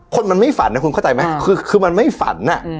คนมันไม่ฝันนะคุณเข้าใจไหมคือมันไม่ฝัน